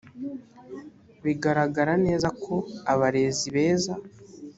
biragaragara neza ko abarezi beza